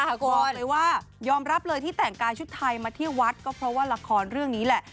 บอกเลยว่ายอมรับเลยที่แต่งกายชุดไทยมาที่วัดก็เพราะว่าละครเรื่องนี้แหละ